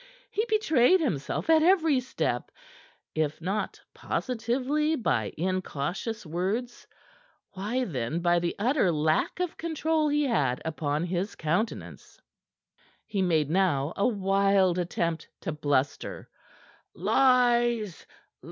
He betrayed himself at every step, if not positively, by incautious words, why then by the utter lack of control he had upon his countenance. He made now a wild attempt to bluster. "Lies!